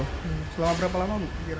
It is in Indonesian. selama berapa lama